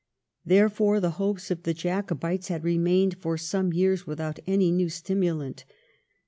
Therefore the hopes of the Jacobites had remained for some years without any new stimulant.